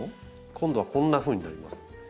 今度はこんなふうになります。